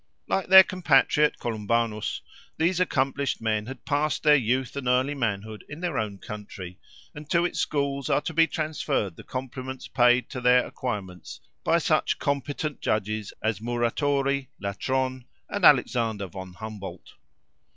Like their compatriot, Columbanus, these accomplished men had passed their youth and early manhood in their own country, and to its schools are to be transferred the compliments paid to their acquirements by such competent judges as Muratori, Latronne, and Alexander von Humboldt.